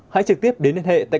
hãy trực tiếp đến đây